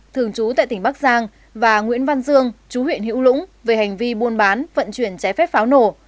thường trú tại tỉnh bắc giang và nguyễn văn dương chú huyện hữu lũng về hành vi buôn bán vận chuyển trái phép pháo nổ